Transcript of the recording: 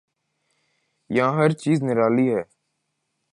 یہاں ہر چیز نرالی ہے۔